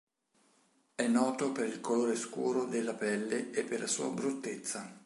È noto per il colore scuro della pelle e per la sua bruttezza.